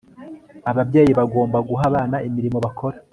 Ababyeyi bagomba guha abana imirimo bakora